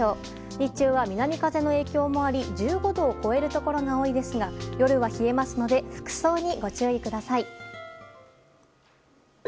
日中は南風の影響もあり１５度を超えるところが多いですが夜は冷えますので服装に、ご注意ください。